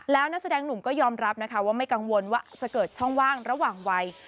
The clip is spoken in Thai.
แล้วนักแสดงหนุ่มก็ยอมรับนะคะว่าไม่กังวลว่าจะเกิดช่องว่างระหว่างวัย